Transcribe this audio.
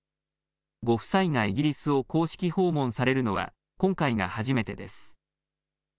ご夫妻がイギリスを公式訪問されるのは今回が初めてです。